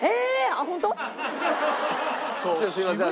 ちょっとすみません。